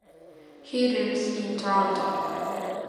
He lives in Toronto.